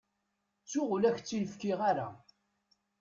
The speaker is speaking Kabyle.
Ttuɣ, ur ak-tt-in-fkiɣ ara.